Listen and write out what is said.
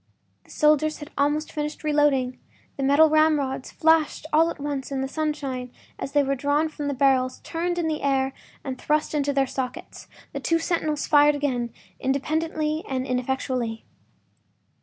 The soldiers had almost finished reloading; the metal ramrods flashed all at once in the sunshine as they were drawn from the barrels, turned in the air, and thrust into their sockets. The two sentinels fired again, independently and ineffectually.